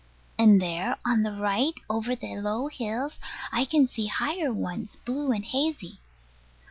And there, on the right, over the low hills, I can see higher ones, blue and hazy.